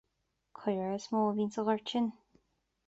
Caora is mó a bhíonn sa ghort sin.